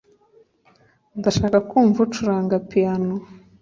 Ndashaka kumva ucuranga piyano